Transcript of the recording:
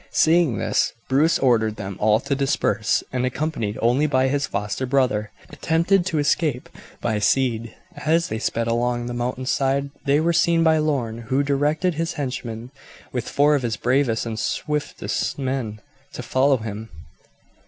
Seeing this, Bruce ordered them all to disperse, and, accompanied only by his foster brother, attempted to escape by speed. As they sped along the mountain side they were seen by Lorne, who directed his henchman, with four of his bravest and swiftest men, to follow him.